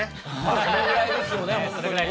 それぐらいですよね。